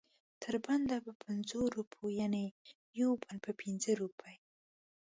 تر بنده په پنځو روپو یعنې یو بند په پنځه روپۍ.